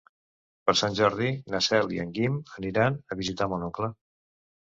Per Sant Jordi na Cel i en Guim aniran a visitar mon oncle.